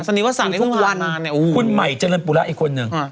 อัศนีวสารได้ทุกวันคุณใหม่เจริญปุระอีกคนนึง